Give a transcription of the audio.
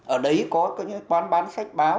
ở đấy có những cái quán bán sách báo